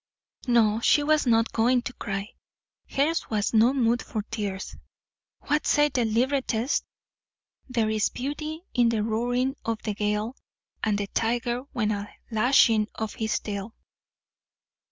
No, she was not going to cry. Hers was no mood for tears. What said the librettist? "There is beauty in the roaring of the gale, and the tiger when a lashing of his tail."